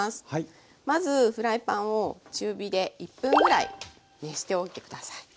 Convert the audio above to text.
まずフライパンを中火で１分ぐらい熱しておいて下さい。